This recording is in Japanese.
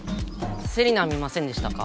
セリナ見ませんでしたか？